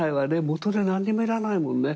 元手何にもいらないもんね。